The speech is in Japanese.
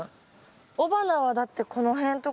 雄花はだってこの辺とか。